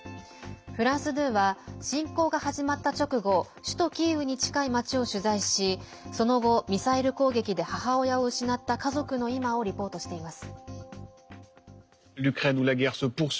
フランス２は侵攻が始まった直後首都キーウに近い町を取材しその後、ミサイル攻撃で母親を失った家族の今をリポートしています。